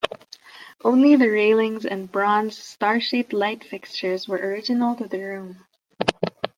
Only the railings and bronze, star-shaped light fixtures were original to the room.